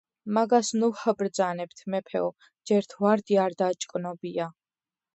მაგას ნუ ჰბრძანებთ, მეფეო, ჯერთ ვარდი არ დაგჭნობია,